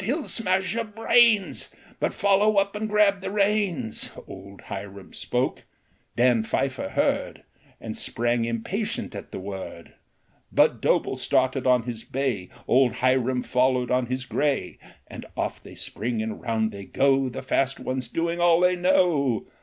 he '11 smash youi brains ; But follow up and grab the reins !" Old Hiram spoke. Dan Pfeiffer heard, And sprang impatient at the word ; Budd Doble started on his bay. Old Hiram followed on his gray, And off they spring, and round they go, The fast ones doing "all they know."